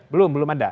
belum belum ada